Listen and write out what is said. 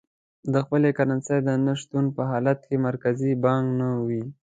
د خپلې کرنسۍ د نه شتون په حالت کې مرکزي بانک نه وي.